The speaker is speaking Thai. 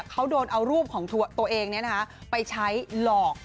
เขาโดนเอารูปของตัวเองไปใช้หลอก